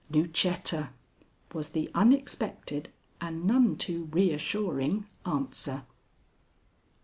"Lucetta," was the unexpected and none too reassuring answer.